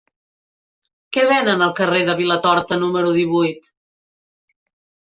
Què venen al carrer de Vilatorta número divuit?